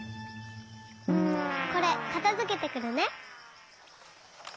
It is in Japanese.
これかたづけてくるね。